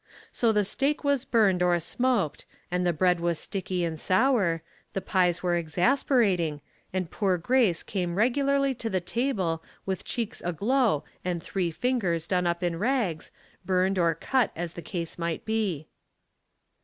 So the steak was burned or smoked, and the bread was sticky and sour, the pies were exasperating, and poor Grace came regularly to the table with cheeks aglow and Lacets and Duty. 341 three fingers done up in rags, burned or cut aa the case might be.